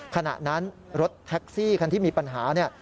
ขณะนั้นรถแท็กซี่คันที่มีปัญหาเนี่ย